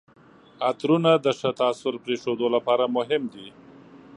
عطرونه د ښه تاثر پرېښودو لپاره مهم دي.